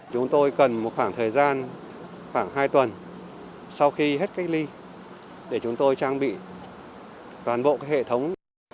chúng tôi cần một khoảng thời gian khoảng hai tuần sau khi hết cách ly để chúng tôi trang bị toàn bộ hệ thống